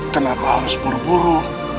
kenapa harus buru buru